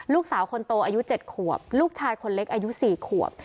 ลูกสาวคนโตอายุ๗ขวบลูกชายคนเล็กอายุ๔ขวบ